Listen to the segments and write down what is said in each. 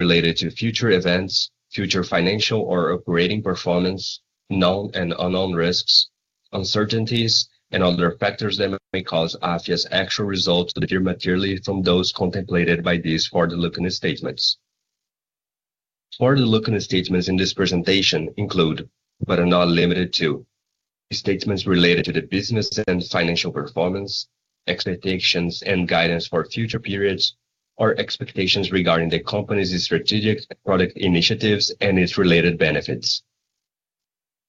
Related to future events, future financial or operating performance, known and unknown risks, uncertainties, and other factors that may cause Afya's actual results to differ materially from those contemplated by these forward-looking statements. Forward-looking statements in this presentation include, but are not limited to, statements related to the business and financial performance, expectations and guidance for future periods, or expectations regarding the company's strategic product initiatives and its related benefits.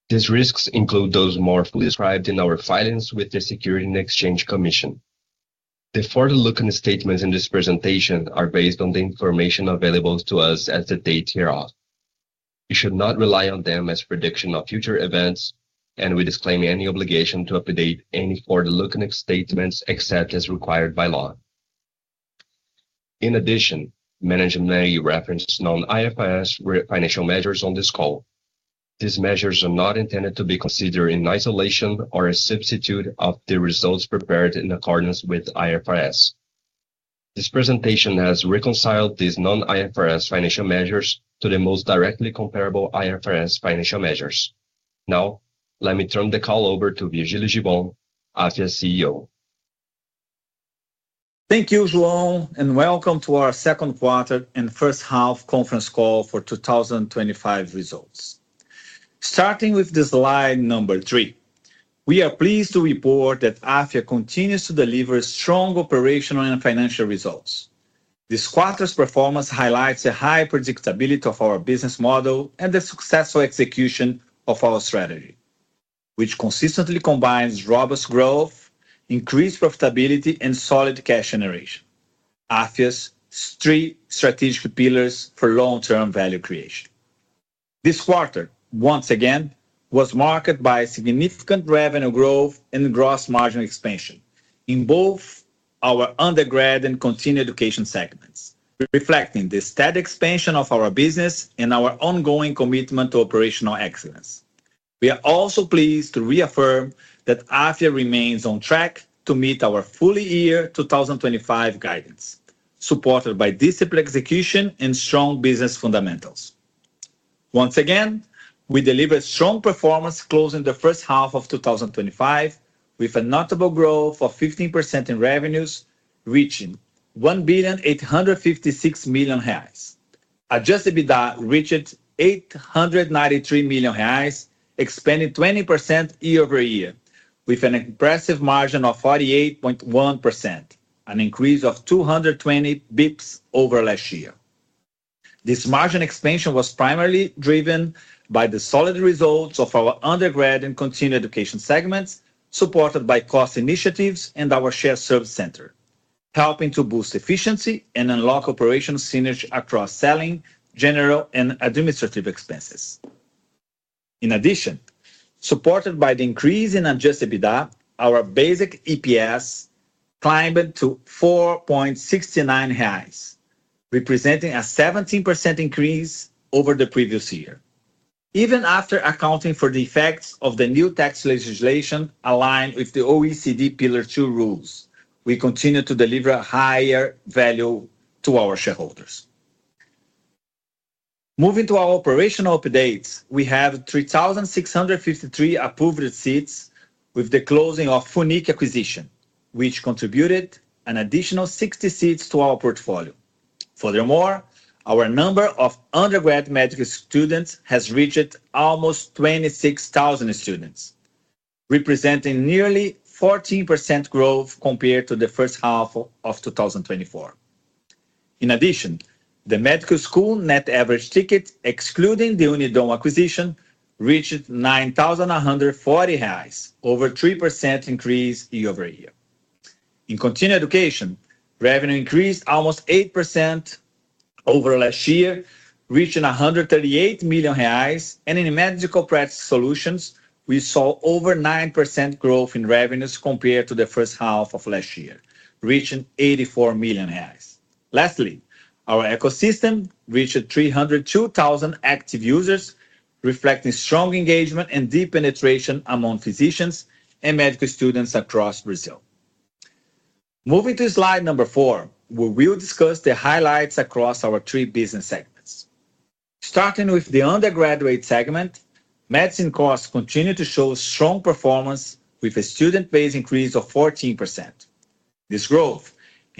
These risks include those more fully described in our filings with the Securities and Exchange Commission. The forward-looking statements in this presentation are based on the information available to us at the date hereof. We should not rely on them as a prediction of future events, and we disclaim any obligation to update any forward-looking statements except as required by law. In addition, management may reference non-IFRS financial measures on this call. These measures are not intended to be considered in isolation or a substitute for the results prepared in accordance with IFRS. This presentation has reconciled these non-IFRS financial measures to the most directly comparable IFRS financial measures. Now, let me turn the call over to Virgilio Gibbon, Afya's CEO. Thank you, João, and welcome to our Second Quarter and First Half Conference Call for 2025 Results. Starting with slide number three, we are pleased to report that Afya continues to deliver strong operational and financial results. This quarter's performance highlights a high predictability of our business model and the successful execution of our strategy, which consistently combines robust growth, increased profitability, and solid cash generation, Afya's three strategic pillars for long-term value creation. This quarter, once again, was marked by significant revenue growth and gross margin expansion in both our undergrad and continuing education segments, reflecting the steady expansion of our business and our ongoing commitment to operational excellence. We are also pleased to reaffirm that Afya remains on track to meet our full-year 2025 guidance, supported by disciplined execution and strong business fundamentals. Once again, we delivered strong performance closing the first half of 2025 with a notable growth of 15% in revenues, reaching 1.856 billion. Adjusted EBITDA reached 893 million reais, expanding 20% year-over-year with an impressive margin of 48.1%, an increase of 228 bps over last year. This margin expansion was primarily driven by the solid results of our undergrad and continuing education segments, supported by cost initiatives and our shared service center, helping to boost efficiency and unlock operational synergy across selling, general, and administrative expenses. In addition, supported by the increase in adjusted EBITDA, our basic EPS climbed to 4.69 recently, representing a 17% increase over the previous year. Even after accounting for the effects of the new tax legislation aligned with the OECD Pillar Two rules, we continue to deliver a higher value to our shareholders. Moving to our operational updates, we have 3,653 approved seats with the closing of the FUNIC acquisition, which contributed an additional 60 seats to our portfolio. Furthermore, our number of undergrad medical students has reached almost 26,000 students, representing nearly 14% growth compared to the first half of 2024. In addition, the medical school net average ticket, excluding the Unidom acquisition, reached 9,140 reais, over a 3% increase year-over-year. In continuing education, revenue increased almost 8% over last year, reaching 138 million reais, and in medical practice solutions, we saw over 9% growth in revenues compared to the first half of last year, reaching 84 million reais. Lastly, our ecosystem reached 302,000 active users, reflecting strong engagement and deep penetration among physicians and medical students across Brazil. Moving to slide number four, where we will discuss the highlights across our three business segments. Starting with the undergraduate segment, medicine costs continue to show strong performance with a student-based increase of 14%. This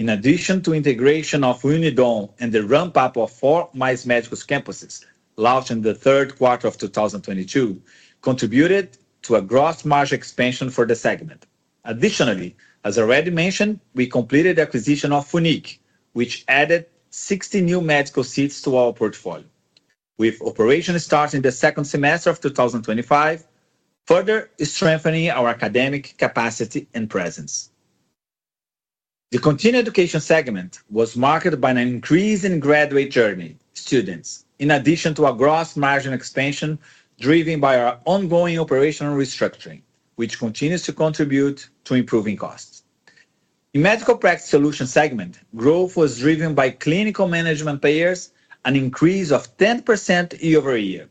growth, in addition to the integration of Unidom and the ramp-up of four MICE medical campuses launched in the third quarter of 2022, contributed to a gross margin expansion for the segment. Additionally, as already mentioned, we completed the acquisition of FUNIC, which added 60 new medical seats to our portfolio, with operations starting the second semester of 2025, further strengthening our academic capacity and presence. The continuing education segment was marked by an increase in graduate journey students, in addition to a gross margin expansion driven by our ongoing operational restructuring, which continues to contribute to improving costs. In the medical practice solutions segment, growth was driven by clinical management payers, an increase of 10% year-over-year.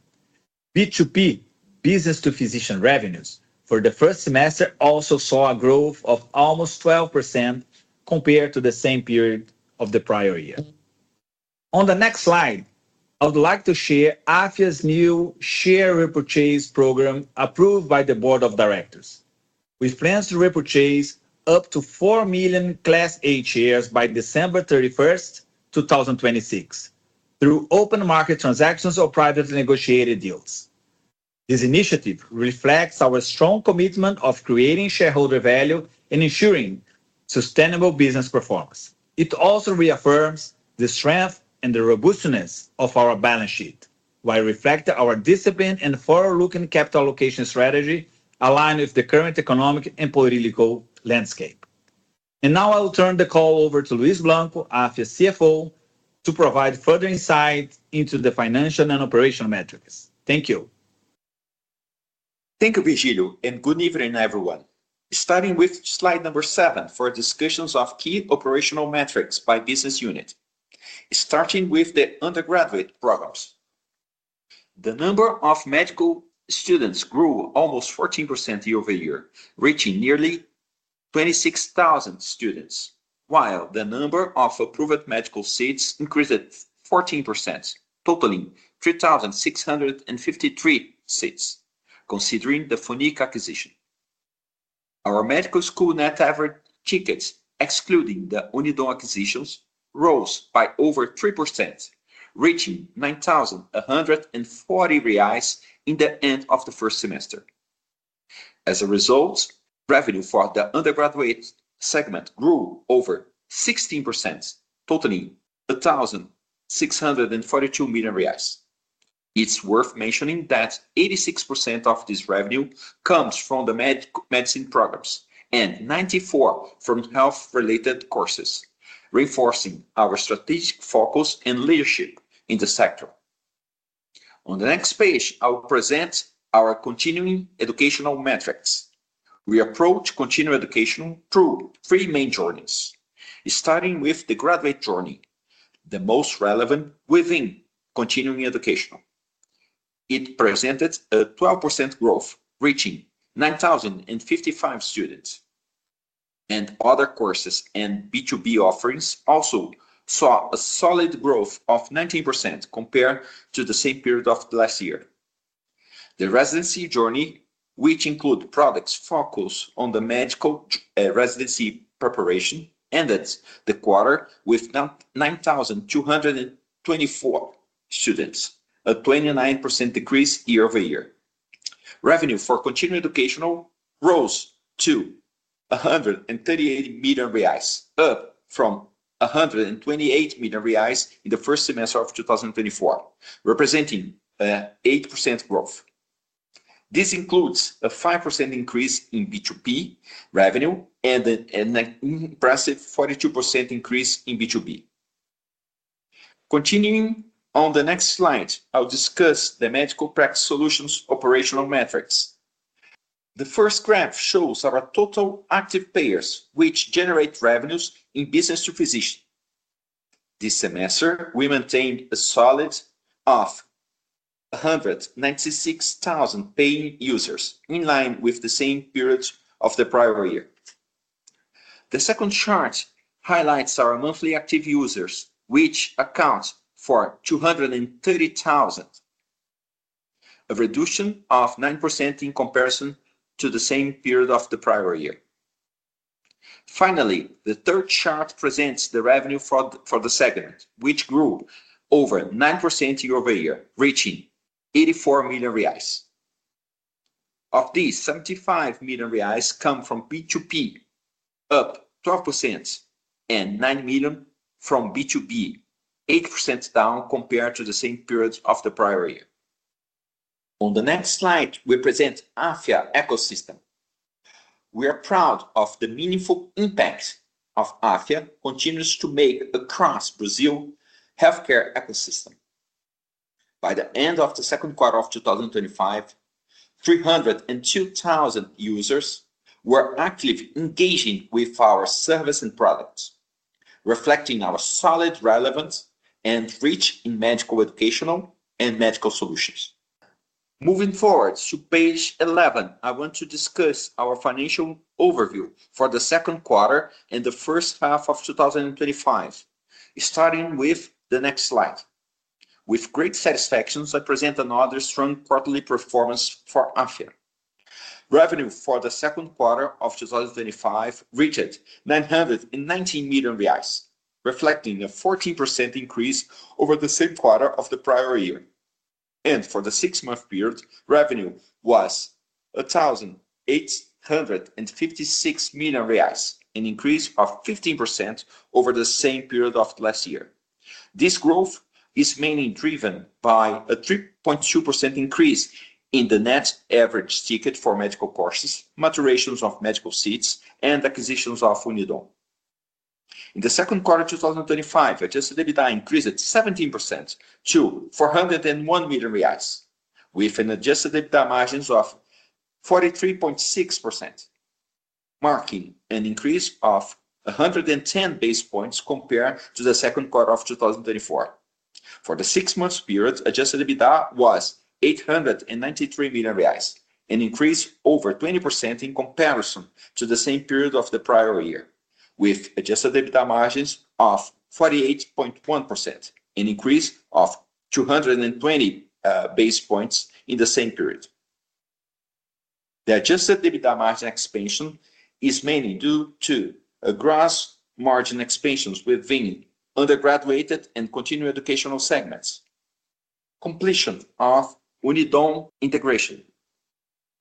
B2P, business-to-physician revenues, for the first semester also saw a growth of almost 12% compared to the same period of the prior year. On the next slide, I would like to share Afya's new share repurchase program approved by the Board of Directors, with plans to repurchase up to 4 million Class A shares by December 31st, 2026, through open market transactions or privately negotiated deals. This initiative reflects our strong commitment of creating shareholder value and ensuring sustainable business performance. It also reaffirms the strength and the robustness of our balance sheet, while reflecting our disciplined and forward-looking capital allocation strategy aligned with the current economic and political landscape. I will turn the call over to Luis Blanco, Afya's CFO, to provide further insight into the financial and operational metrics. Thank you. Thank you, Virgilio, and good evening, everyone. Starting with slide number seven for discussions of key operational metrics by business units, starting with the undergraduate programs. The number of medical students grew almost 14% year-over-year, reaching nearly 26,000 students, while the number of approved medical seats increased 14%, totaling 3,653 seats, considering the FUNIC acquisition. Our medical school net average tickets, excluding the Unidom acquisitions, rose by over 3%, reaching 9,140 reais at the end of the first semester. As a result, revenue for the undergraduate segment grew over 16%, totaling 1.642 billion reais. It's worth mentioning that 86% of this revenue comes from the medical medicine programs and 94% from health-related courses, reinforcing our strategic focus and leadership in the sector. On the next page, I will present our continuing education metrics. We approach continuing education through three main journeys. Starting with the graduate journey, the most relevant within continuing education, it presented a 12% growth, reaching 9,055 students, and other courses and B2B offerings also saw a solid growth of 19% compared to the same period of last year. The residency journey, which includes products focused on the medical residency preparation, ended the quarter with 9,224 students, a 29% decrease year-over-year. Revenue for continuing education rose to 138 million reais, up from 128 million reais in the first semester of 2024, representing an 8% growth. This includes a 5% increase in B2B revenue and an impressive 42% increase in B2B. Continuing on the next slide, I'll discuss the medical practice solutions operational metrics. The first graph shows our total active payers, which generate revenues in business to physicians. This semester, we maintained a solid 196,000 paying users, in line with the same period of the prior year. The second chart highlights our monthly active users, which account for 230,000, a reduction of 9% in comparison to the same period of the prior year. Finally, the third chart presents the revenue for the segment, which grew over 9% year-over-year, reaching 84 million reais. Of these, 75 million reais come from B2B, up 12%, and 9 million from B2B, 8% down compared to the same period of the prior year. On the next slide, we present Afya ecosystem. We are proud of the meaningful impacts Afya continues to make across Brazil's healthcare ecosystem. By the end of the second quarter of 2025, 302,000 users were actively engaging with our service and products, reflecting our solid relevance and reach in medical education and medical solutions. Moving forward to page 11, I want to discuss our financial overview for the second quarter and the first half of 2025. Starting with the next slide, with great satisfaction, I present another strong quarterly performance for Afya. Revenue for the second quarter of 2025 reached 919 million reais, reflecting a 14% increase over the same quarter of the prior year. For the six-month period, revenue was 1.856 billion reais, an increase of 15% over the same period of last year. This growth is mainly driven by a 3.2% increase in the net average ticket for medical courses, maturations of medical seats, and acquisitions of Unidom. In the second quarter of 2025, adjusted EBITDA increased 17% to 401 million reais, with an adjusted EBITDA margin of 43.6%, marking an increase of 110 basis points compared to the second quarter of 2024. For the six-month period, adjusted EBITDA was 893 million reais, an increase of over 20% in comparison to the same period of the prior year, with adjusted EBITDA margins of 48.1%, an increase of 220 basis points in the same period. The adjusted EBITDA margin expansion is mainly due to a gross margin expansion within undergraduate and continuing education segments, completion of Unidom integration,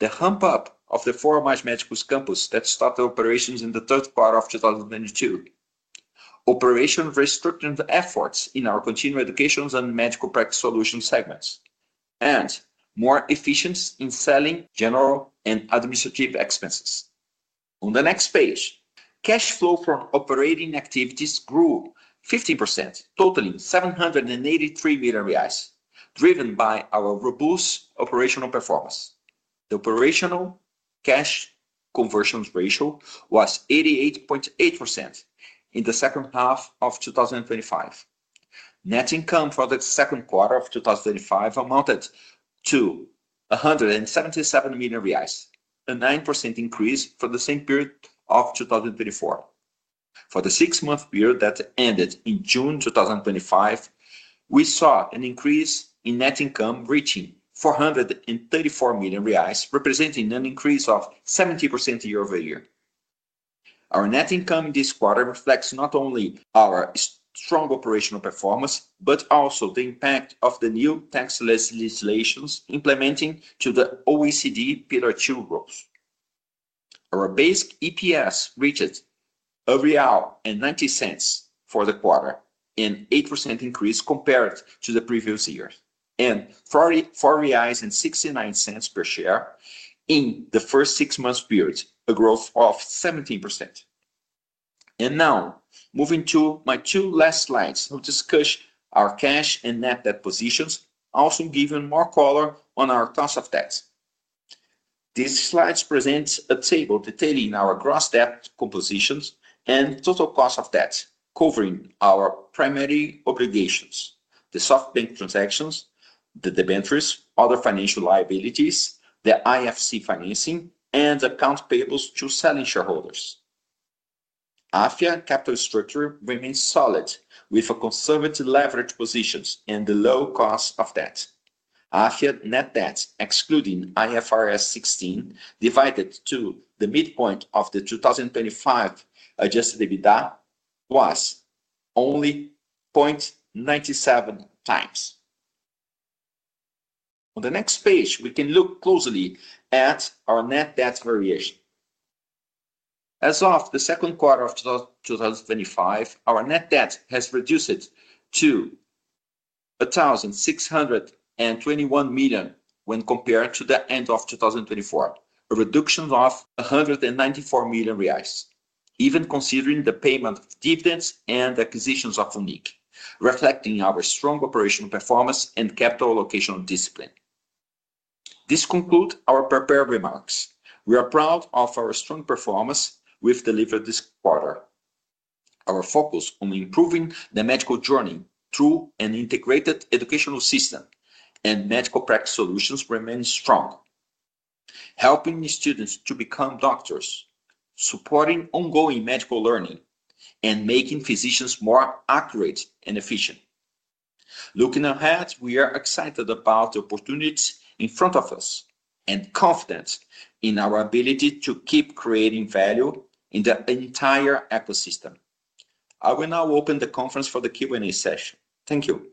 the ramp-up of the four MICE medical campus that started operations in the third quarter of 2022, operational restructuring efforts in our continuing education and medical practice solutions segments, and more efficiency in selling, general, and administrative expenses. On the next page, cash flow from operating activities grew 15%, totaling 783 million reais, driven by our robust operational performance. The operational cash conversion ratio was 88.8% in the second half of 2025. Net income for the second quarter of 2025 amounted to 177 million reais, a 9% increase from the same period of 2024. For the six-month period that ended in June 2025, we saw an increase in net income reaching 434 million reais, representing an increase of 17% year-over-year. Our net income in this quarter reflects not only our strong operational performance but also the impact of the new tax legislation implementing the OECD Pillar Two rules. Our basic EPS reached 1.90 for the quarter, an 8% increase compared to the previous year, and 4.69 reais per share in the first six months period, a growth of 17%. Now, moving to my two last slides to discuss our cash and net debt positions, I also give you more color on our cost of debt. These slides present a table detailing our gross debt composition and total cost of debt, covering our primary obligations, the SoftBank transactions, the debentures, other financial liabilities, the IFC financing, and accounts payables to selling shareholders. Afya's capital structure remains solid, with a conservative leverage position and a low cost of debt. Afya's net debt, excluding IFRS 16, divided by the midpoint of the 2025 adjusted EBITDA, was only 0.97 times. On the next page, we can look closely at our net debt variation. As of the second quarter of 2025, our net debt has reduced to 1.621 billion when compared to the end of 2024, a reduction of 194 million reais, even considering the payment of dividends and acquisitions of FUNIC, reflecting our strong operational performance and capital allocation discipline. This concludes our prepared remarks. We are proud of our strong performance we've delivered this quarter. Our focus on improving the medical journey through an integrated educational system and medical practice solutions remains strong, helping students to become doctors, supporting ongoing medical learning, and making physicians more accurate and efficient. Looking ahead, we are excited about the opportunities in front of us and confident in our ability to keep creating value in the entire ecosystem. I will now open the conference for the Q&A session. Thank you.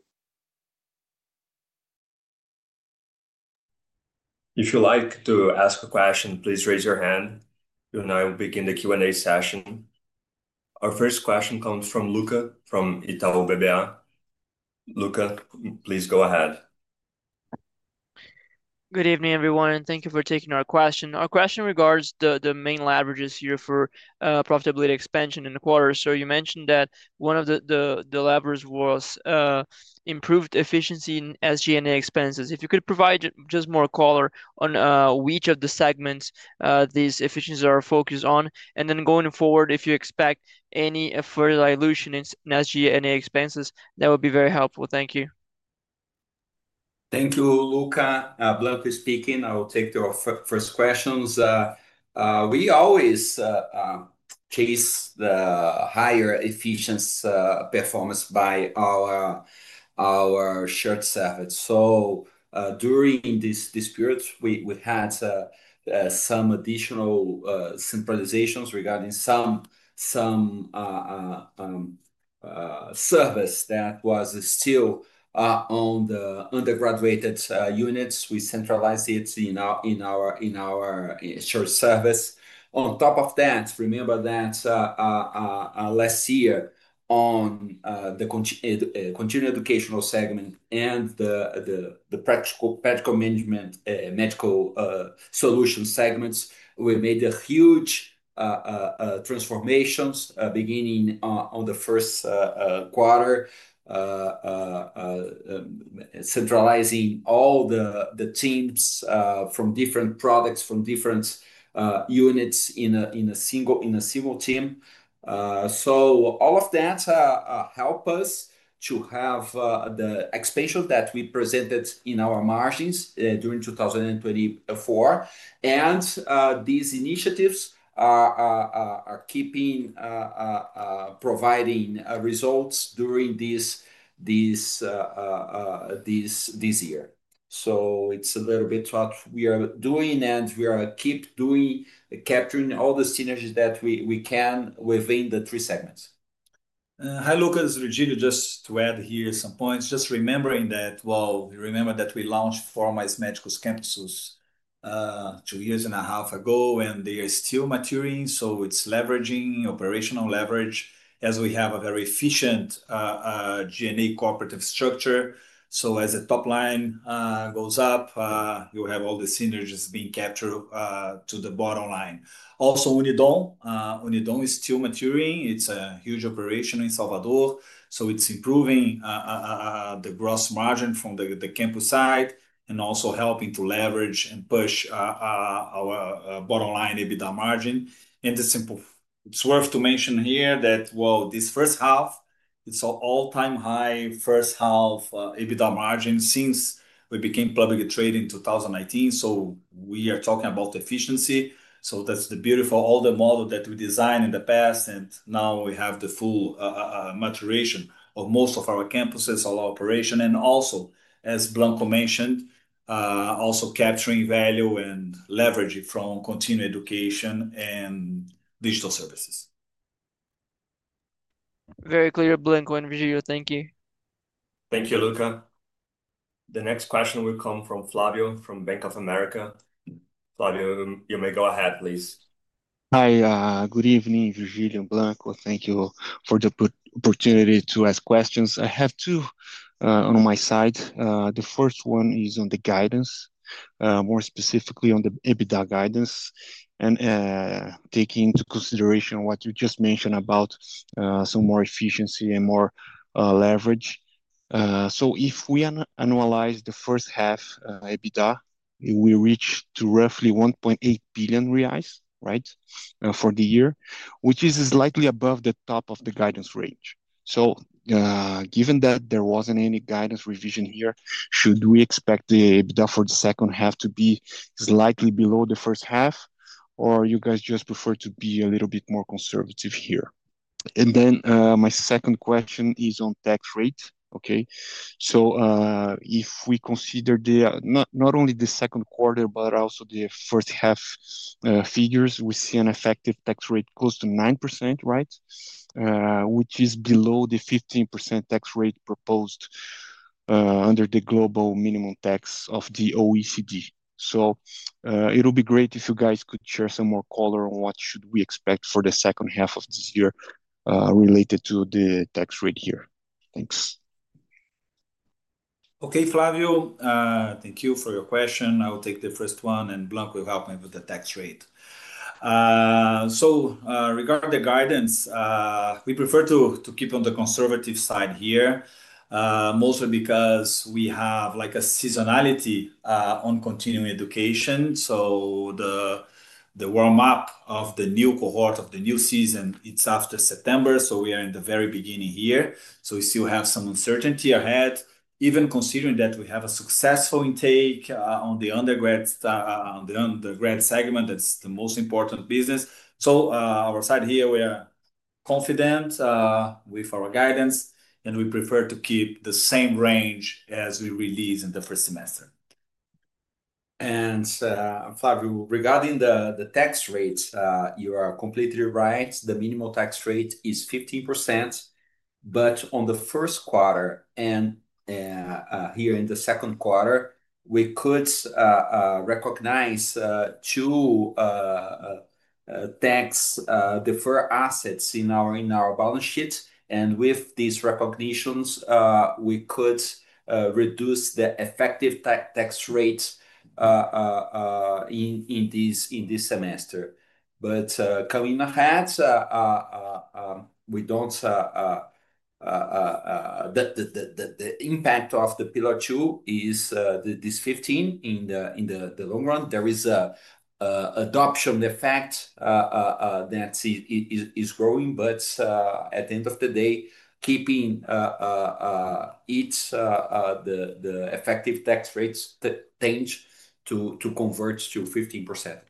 If you'd like to ask a question, please raise your hand. I will begin the Q&A session. Our first question comes from Lucca from Itaú BBA. Lucca, please go ahead. Good evening, everyone, and thank you for taking our question. Our question regards the main leverages here for profitability expansion in the quarter. You mentioned that one of the levers was improved efficiency in SG&A expenses. If you could provide just more color on which of the segments these efficiencies are focused on, and then going forward, if you expect any further dilution in SG&A expenses, that would be very helpful. Thank you. Thank you, Luca. Blanco speaking. I will take your first questions. We always chase the higher efficiency performance by our shared service. During this period, we had some additional centralizations regarding some service that was still on the undergraduate units. We centralized it in our shared service. On top of that, remember that last year on the continuing education segment and the practical medical management medical solution segments, we made huge transformations beginning on the first quarter, centralizing all the teams from different products from different units in a single team. All of that helped us to have the expansion that we presented in our margins during 2024. These initiatives are keeping providing results during this year. It's a little bit what we are doing, and we are keep doing capturing all the synergies that we can within the three segments. Hi, Luca. This is Virgilio, just to add here some points, just remembering that we remember that we launched four MICE medical campuses two years and a half ago, and they are still maturing. It's leveraging operational leverage as we have a very efficient G&A cooperative structure. As the top line goes up, you have all the synergies being captured to the bottom line. Also, Unidom is still maturing. It's a huge operation in Salvador. It's improving the gross margin from the campus side and also helping to leverage and push our bottom line EBITDA margin. It's worth mentioning here that this first half, it's an all-time high first half EBITDA margin since we became publicly traded in 2019. We are talking about efficiency. That's the beautiful older model that we designed in the past, and now we have the full maturation of most of our campuses on our operation. Also, as Blanco mentioned, also capturing value and leveraging from continuing education and digital services. Very clear, Blanco and Virgilio. Thank you. Thank you, Lucca. The next question will come from Flavio from Bank of America. Flavio, you may go ahead, please. Hi, good evening, Virgilio and Blanco. Thank you for the opportunity to ask questions. I have two on my side. The first one is on the guidance, more specifically on the EBITDA guidance, and taking into consideration what you just mentioned about some more efficiency and more leverage. If we analyze the first half EBITDA, we reached roughly 1.8 billion reais for the year, which is slightly above the top of the guidance range. Given that there wasn't any guidance revision here, should we expect the EBITDA for the second half to be slightly below the first half, or you guys just prefer to be a little bit more conservative here? My second question is on tax rates. If we consider not only the second quarter, but also the first half figures, we see an effective tax rate close to 9%, right, which is below the 15% tax rate proposed under the global minimum tax of the OECD. It would be great if you guys could share some more color on what should we expect for the second half of this year related to the tax rate here. Thanks. Okay, Flavio, thank you for your question. I'll take the first one, and Blanco will help me with the tax rate. Regarding the guidance, we prefer to keep on the conservative side here, mostly because we have like a seasonality on continuing education. The warm-up of the new cohort of the new season, it's after September. We are in the very beginning here. We still have some uncertainty ahead, even considering that we have a successful intake on the undergraduate segment. That's the most important business. Our side here, we are confident with our guidance, and we prefer to keep the same range as we released in the first semester. Flavio, regarding the tax rate, you are completely right. The minimum tax rate is 15%. On the first quarter and here in the second quarter, we could recognize two tax-deferred assets in our balance sheet. With these recognitions, we could reduce the effective tax rate in this semester. Coming ahead, the impact of the OECD Pillar Two is this 15% in the long run. There is an adoption effect that is growing, but at the end of the day, keeping its effective tax rates change to converge to 15%.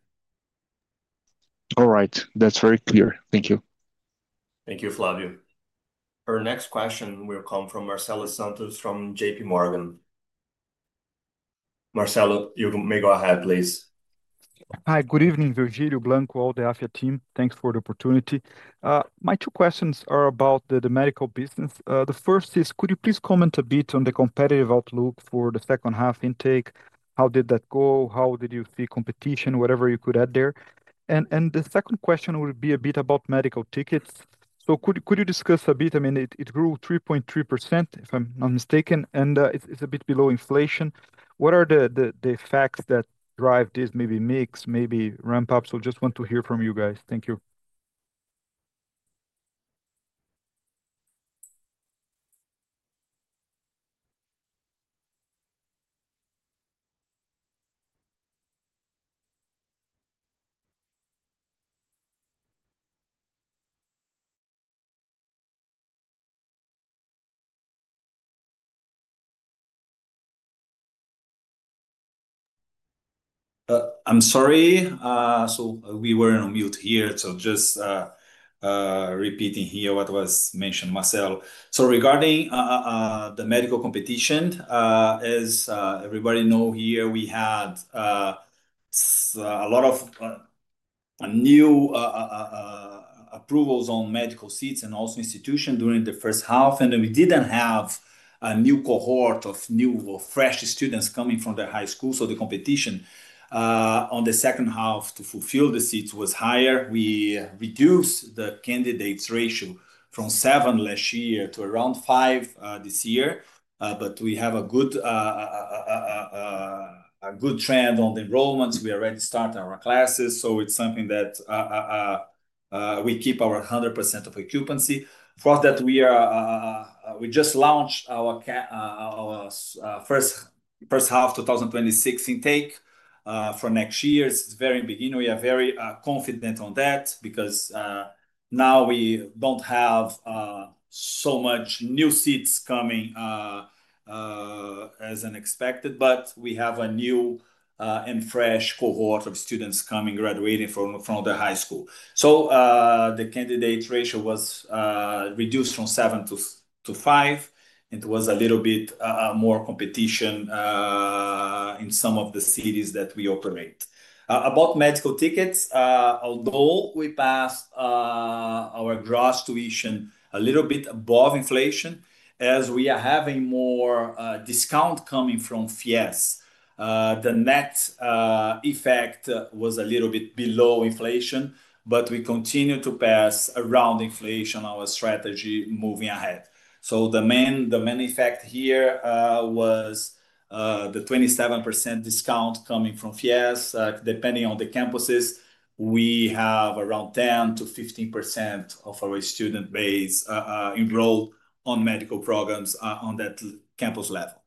All right. That's very clear. Thank you. Thank you, Flavio. Our next question will come from Marcelo Santos from JPMorgan. Marcelo, you may go ahead, please. Hi, good evening, Virgilio, Blanco, all the Afya team. Thanks for the opportunity. My two questions are about the medical business. The first is, could you please comment a bit on the competitive outlook for the second half intake? How did that go? How did you see competition? Whatever you could add there. The second question will be a bit about medical tickets. Could you discuss a bit? I mean, it grew 3.3%, if I'm not mistaken, and it's a bit below inflation. What are the facts that drive this? Maybe mix, maybe ramp-ups. I just want to hear from you guys. Thank you. I'm sorry. We were on mute here. Just repeating what was mentioned, Marcel. Regarding the medical competition, as everybody knows, we had a lot of new approvals on medical seats and also institutions during the first half. We didn't have a new cohort of new or fresh students coming from high school. The competition in the second half to fulfill the seats was higher. We reduced the candidates' ratio from seven last year to around five this year. We have a good trend on the enrollments. We already started our classes. It's something that we keep our 100% of occupancy. For that, we just launched our first half 2026 intake for next year. It's very in the beginning. We are very confident on that because now we don't have so many new seats coming as expected, but we have a new and fresh cohort of students coming, graduating from high school. The candidate ratio was reduced from 7 to 5, and it was a little bit more competition in some of the cities that we operate. About medical tickets, although we passed our gross tuition a little bit above inflation, as we are having more discounts coming from FIES, the net effect was a little bit below inflation, but we continue to pass around inflation on our strategy moving ahead. The main effect here was the 27% discount coming from FIES. Depending on the campuses, we have around 10%-15% of our student base enrolled on medical programs on that campus level.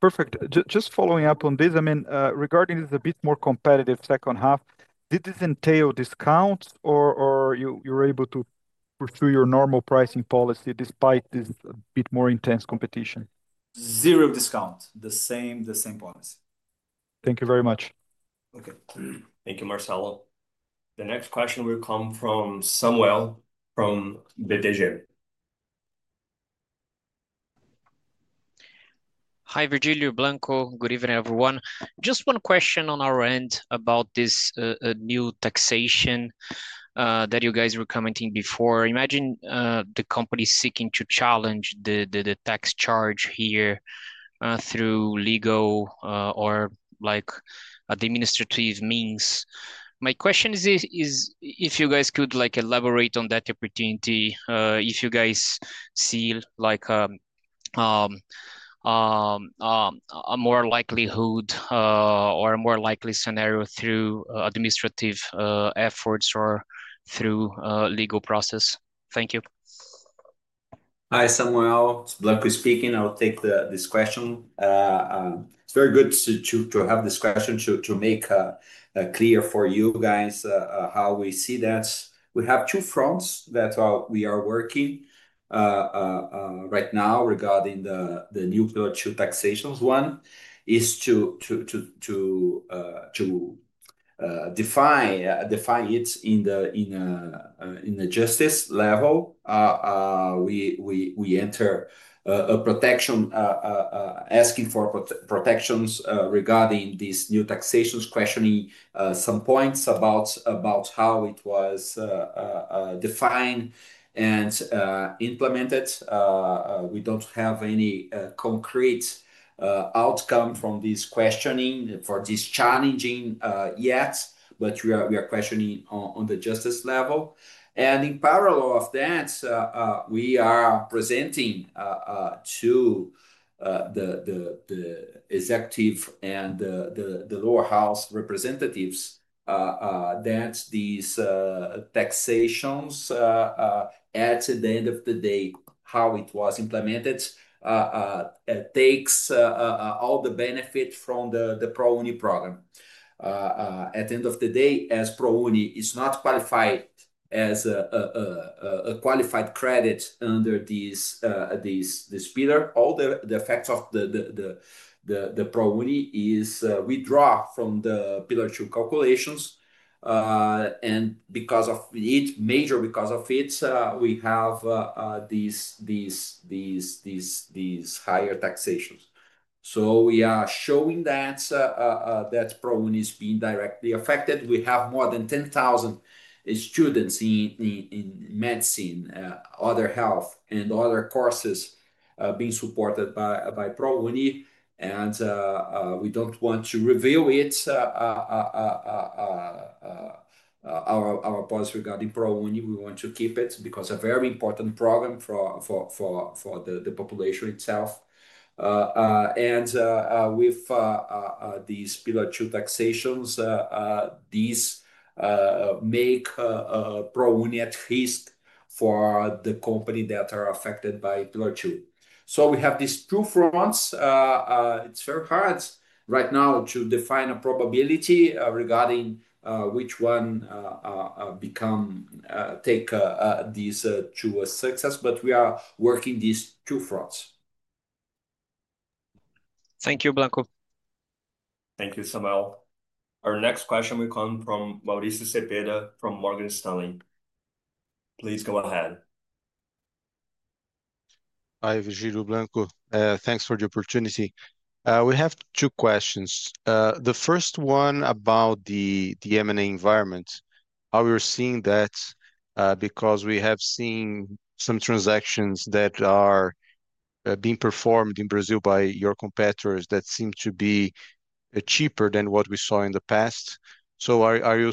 Perfect. Just following up on this, regarding this a bit more competitive second half, did this entail discounts, or were you able to pursue your normal pricing policy despite this bit more intense competition? Zero discounts. The same policy. Thank you very much. Okay. Thank you, Marcelo. The next question will come from Samuel from BTG. Hi, Virgilio, Blanco. Good evening, everyone. Just one question on our end about this new taxation that you guys were commenting before. Imagine the company seeking to challenge the tax charge here through legal or like administrative means. My question is if you guys could elaborate on that opportunity, if you guys see a more likelihood or a more likely scenario through administrative efforts or through legal process. Thank you. Hi, Samuel. Blanco speaking. I'll take this question. It's very good to have this question to make clear for you guys how we see that. We have two fronts that we are working right now regarding the new Pillar Two taxations. One is to define it in the justice level. We enter a protection asking for protections regarding these new taxations, questioning some points about how it was defined and implemented. We don't have any concrete outcome from this questioning for this challenging yet, but we are questioning on the justice level. In parallel of that, we are presenting to the executive and the lower house representatives that these taxations at the end of the day, how it was implemented, takes all the benefit from the Prouni program. At the end of the day, as Prouni is not qualified as a qualified credit under this pillar, all the effects of the Prouni is withdrawn from the Pillar Two calculations. Because of it, major because of it, we have these higher taxations. We are showing that Prouni is being directly affected. We have more than 10,000 students in medicine, other health, and other courses being supported by Prouni. We don't want to review our policy regarding Prouni. We want to keep it because it's a very important program for the population itself. With these Pillar Two taxations, these make Prouni at risk for the companies that are affected by Pillar Two. We have these two fronts. It's very hard right now to define a probability regarding which one becomes these two successes, but we are working these two fronts. Thank you, Blanco. Thank you, Samuel. Our next question will come from Mauricio Cepeda from Morgan Stanley. Please go ahead. Hi, Virgilio, Blanco. Thanks for the opportunity. We have two questions. The first one about the M&A environment, how we are seeing that because we have seen some transactions that are being performed in Brazil by your competitors that seem to be cheaper than what we saw in the past. Are you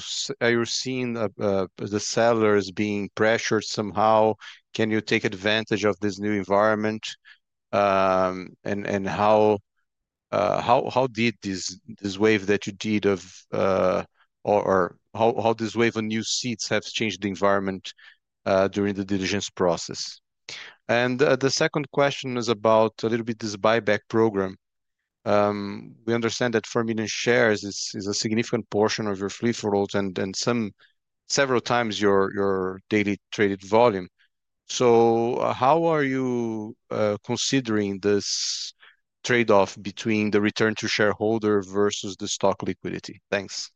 seeing the sellers being pressured somehow? Can you take advantage of this new environment? How did this wave that you did of, or how this wave of new seats has changed the environment during the diligence process? The second question is about a little bit this buyback program. We understand that 4 million shares is a significant portion of your free float and some, several times your daily traded volume. How are you considering this trade-off between the return to shareholder versus the stock liquidity? Thanks.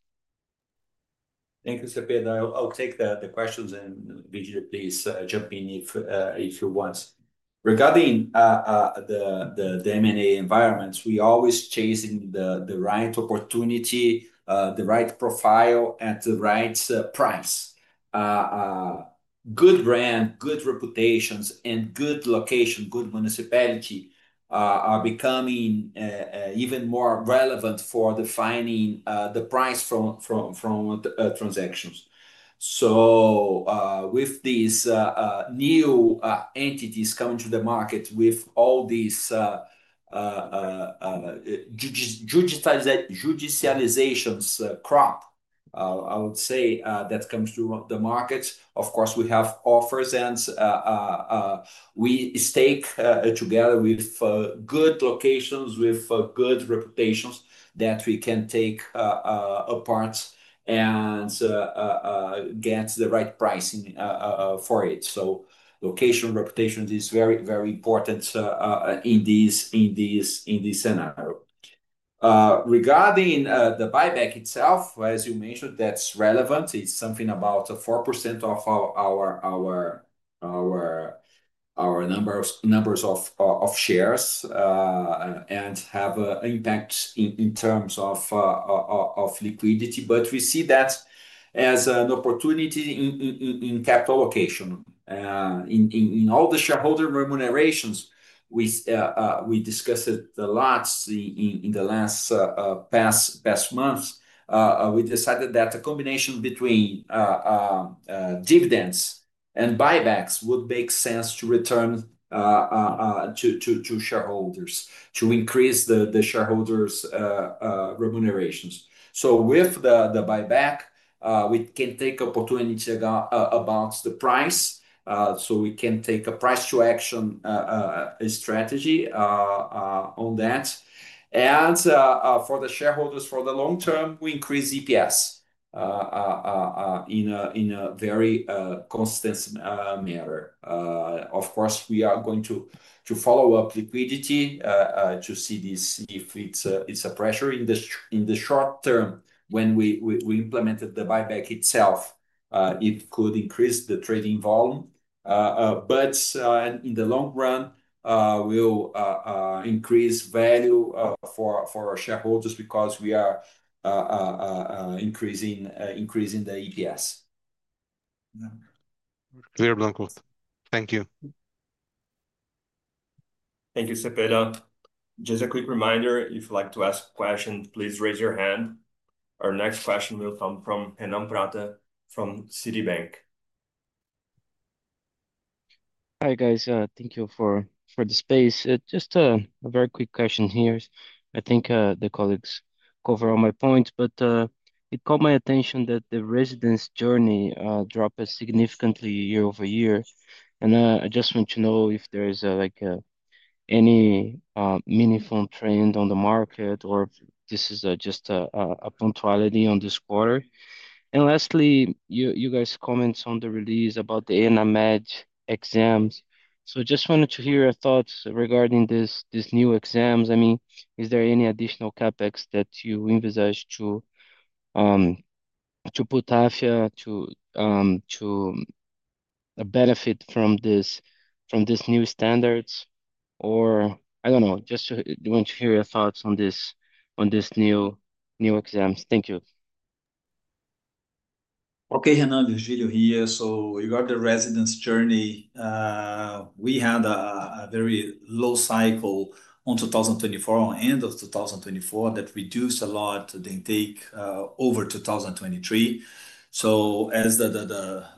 Thank you, Cepeda. I'll take the questions, and Virgilio, please jump in if you want. Regarding the M&A environment, we always chase the right opportunity, the right profile at the right price. Good brand, good reputations, and good location, good municipality are becoming even more relevant for defining the price from transactions. With these new entities coming to the market with all these judicializations crop, I would say that comes to the market. Of course, we have offers and we stake together with good locations, with good reputations that we can take apart and get the right pricing for it. Location, reputation is very, very important in this scenario. Regarding the buyback itself, as you mentioned, that's relevant. It's something about 4% of our number of shares and has an impact in terms of liquidity. We see that as an opportunity in capital allocation. In all the shareholder remunerations, we discussed it a lot in the last past months. We decided that a combination between dividends and buybacks would make sense to return to shareholders, to increase the shareholders' remunerations. With the buyback, we can take opportunity about the price. We can take a price-to-action strategy on that. For the shareholders for the long term, we increase EPS in a very consistent manner. Of course, we are going to follow up liquidity to see if it's a pressure in the short term. When we implemented the buyback itself, it could increase the trading volume. In the long run, we'll increase value for our shareholders because we are increasing the EPS. Clear, Blanco. Thank you. Thank you, Cepeda. Just a quick reminder, if you'd like to ask questions, please raise your hand. Our next question will come from Renan Prata from Citibank. Hi, guys. Thank you for the space. Just a very quick question here. I think the colleagues covered all my points, but it caught my attention that the residents' journey dropped significantly year over year. I just want to know if there's like any meaningful trend on the market or if this is just a punctuality on this quarter. Lastly, you guys commented on the release about the ENAMED exams. I just wanted to hear your thoughts regarding these new exams. I mean, is there any additional CapEx that you envisage to put Afya to benefit from these new standards? I don't know, just want to hear your thoughts on these new exams. Thank you. Okay, Renan, Virgilio here. Regarding the residents' journey, we had a very low cycle in 2024, at the end of 2024, that reduced a lot the intake over 2023. As the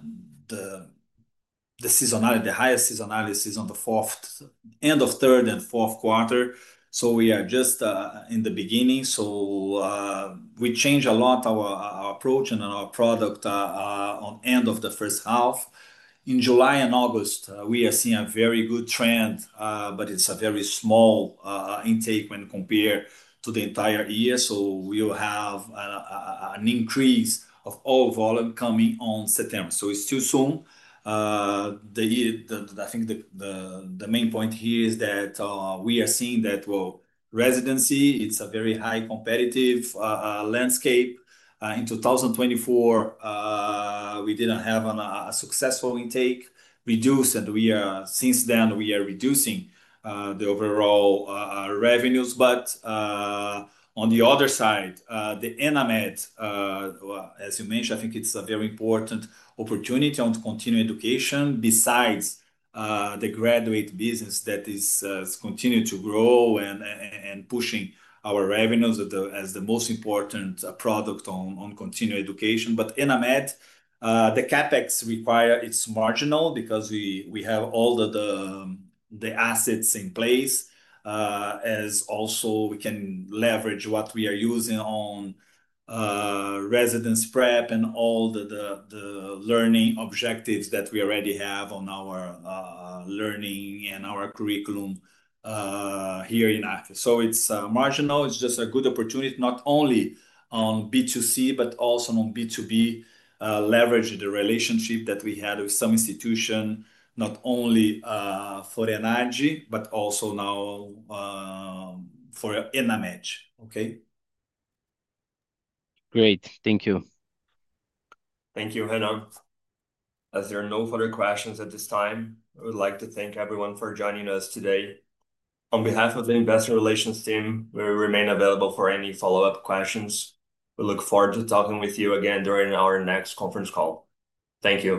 highest seasonality is at the end of the third and fourth quarter, we are just in the beginning. We changed a lot our approach and our product at the end of the first half. In July and August, we are seeing a very good trend, but it's a very small intake when compared to the entire year. We will have an increase of all volume coming in September. It's too soon. I think the main point here is that we are seeing that residency is a very high competitive landscape. In 2024, we didn't have a successful intake, reduced, and since then, we are reducing the overall revenues. On the other side, the ENAMED, as you mentioned, I think it's a very important opportunity in continuing education besides the graduate business that is continuing to grow and pushing our revenues as the most important product in continuing education. ENAMED, the CapEx required, it's marginal because we have all the assets in place, as also we can leverage what we are using in residents' prep and all the learning objectives that we already have in our learning and our curriculum here in Afya. It's marginal. It's just a good opportunity, not only in B2C, but also in B2B, leveraging the relationship that we had with some institutions, not only for [MTAJI], but also now for ENAMED. Okay? Great. Thank you. Thank you, Renan. As there are no further questions at this time, I would like to thank everyone for joining us today. On behalf of the Investor Relations team, we will remain available for any follow-up questions. We look forward to talking with you again during our next conference call. Thank you.